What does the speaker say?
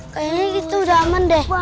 kayaknya gitu udah aman deh